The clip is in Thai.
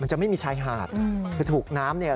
จะไม่มีชายหาดคือถูกน้ำเนี่ย